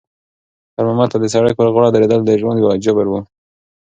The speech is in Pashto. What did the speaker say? خیر محمد ته د سړک پر غاړه درېدل د ژوند یو جبر و.